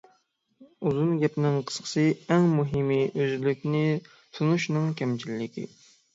ئۇزۇن گەپنىڭ قىسقىسى، ئەڭ مۇھىمى ئۆزلۈكنى تونۇشنىڭ كەمچىللىكى.